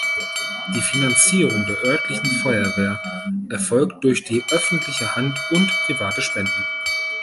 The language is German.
Die Finanzierung der örtlichen Feuerwehr erfolgt durch die öffentliche Hand und private Spenden.